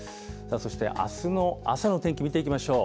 そしてあすの朝の天気見ていきましょう。